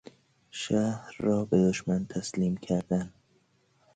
شهر را به دشمن تسلیم کردن